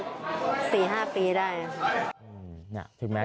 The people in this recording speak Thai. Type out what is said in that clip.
รถใหญ่ก็กลับ